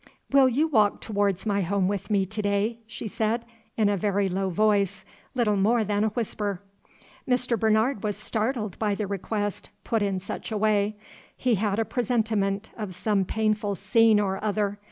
"Will you walk towards my home with me today?" she said, in a very low voice, little more than a whisper. Mr. Bernard was startled by the request, put in such a way. He had a presentiment of some painful scene or other.